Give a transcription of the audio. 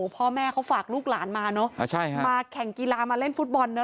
พ่อแม่เขาฝากลูกหลานมาเนอะมาแข่งกีฬามาเล่นฟุตบอลเนอ